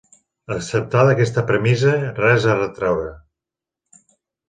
Acceptada aquesta premissa, res a retreure.